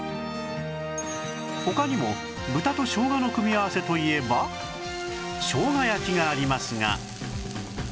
他にも豚としょうがの組み合わせといえばしょうが焼きがありますが